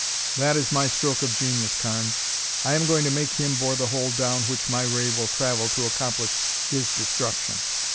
"That is my stroke of genius, Carnes. I am going to make him bore the hole down which my ray will travel to accomplish his destruction.